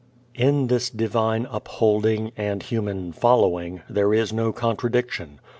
In this divine "upholding" and human "following" there is no contradiction.